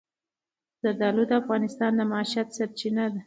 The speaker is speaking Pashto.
زردالو د افغانانو د معیشت سرچینه ده.